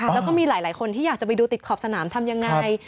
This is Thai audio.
แล้วก็มีหลายคนที่อยากจะไปดูติดขอบสนามทำยังไง